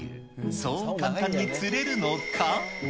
そう簡単に釣れるのか。